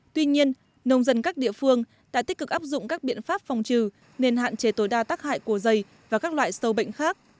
tuy nhiên nông dân các địa phương đã tích cực áp dụng các biện pháp phòng trừ nên hạn chế tối đa tác hại của dày và các loại sâu bệnh khác